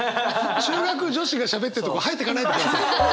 中学女子がしゃべってるとこ入ってかないでください。